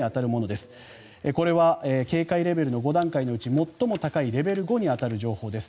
これは警戒レベルの５段階のうち最も高いレベル５に当たる情報です。